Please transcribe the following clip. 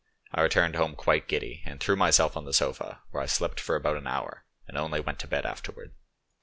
I returned home quite giddy, and threw myself on the sofa, where I slept for about an hour, and only went to bed afterwards.